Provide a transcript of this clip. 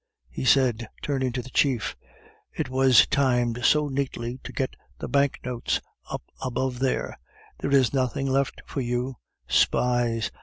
he said, turning to the chief. "It was timed so neatly to get the banknotes up above there. There is nothing left for you spies!